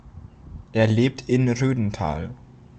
Er lebt in Rödental.